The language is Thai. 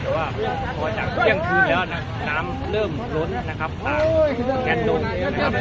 แต่ว่าพอจากเมื่องคืนแล้วน้ำเริ่มลดนะครับต่างแคนโดงนะครับ